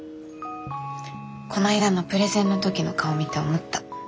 こないだのプレゼンの時の顔見て思った。